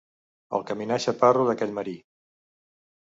El caminar xaparro d'aquell marí.